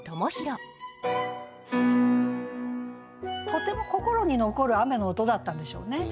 とても心に残る雨の音だったんでしょうね。